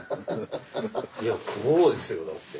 いやこうですよだって。